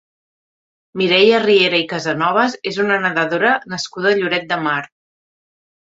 Mireia Riera i Casanovas és una nedadora nascuda a Lloret de Mar.